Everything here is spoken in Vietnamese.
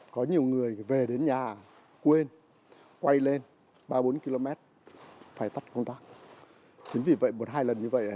có nhiều người về đến nhà quên quay lên ba bốn km phải tắt công tác chính vì vậy một hai lần như vậy